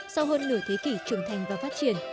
sau hơn nửa thế kỷ trưởng thành và phát triển